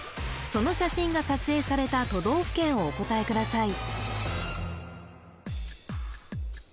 その写真が撮影された都道府県をお答えください